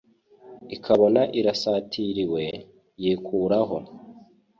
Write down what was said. ikabona irasatiriwe, yikuraho